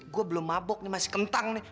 gue belum mabok ini masih kentang nih